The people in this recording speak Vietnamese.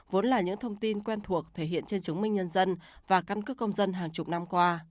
vốn là những thông tin quen thuộc thể hiện trên chứng minh nhân dân và căn cước công dân hàng chục năm qua